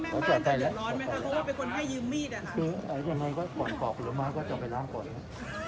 คุณชวนถ้าเรื่องของการเอาอะไรเข้าไปในห้องประชุม